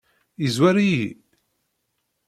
Yezwar-iyi?